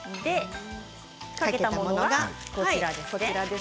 かけたものがこちらです。